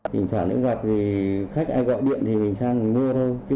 tỉnh phảo nữ ngọc khách ai gọi điện thì mình sang mua thôi